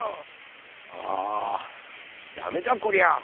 あダメだこりゃ。